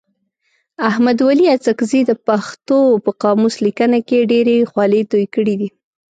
احمد ولي اڅکزي د پښتو په قاموس لیکنه کي ډېري خولې توی کړي دي.